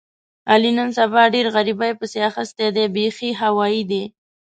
علي نن سبا ډېر غریبۍ پسې اخیستی دی بیخي هوایي دی.